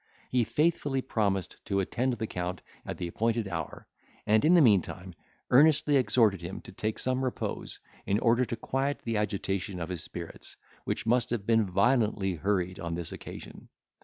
He faithfully promised to attend the Count at the appointed hour, and, in the meantime, earnestly exhorted him to take some repose, in order to quiet the agitation of his spirits, which must have been violently hurried on this occasion.